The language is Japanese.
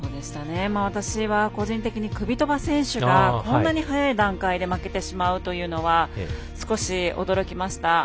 個人的にクビトバ選手がこんなに早い段階で負けてしまうというのは少し驚きました。